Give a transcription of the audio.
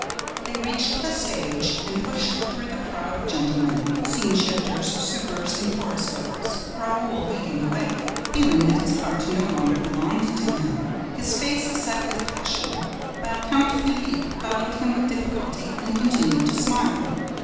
They reached the stage and pushed through the crowd of gentlemen, scene shifters, supers and chorus girls, Raoul leading the way, feeling that his heart no longer belonged to him, his face set with passion, while Count Philippe followed him with difficulty and continued to smile.